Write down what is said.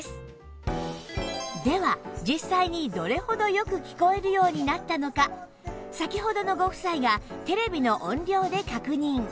では実際にどれほどよく聞こえるようになったのか先ほどのご夫妻がテレビの音量で確認